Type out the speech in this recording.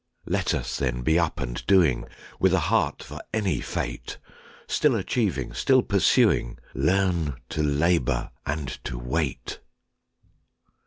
Let us, then, be up and doing, With a heart for any fate; Still achieving, still pursuing, Learn to labor and to wait.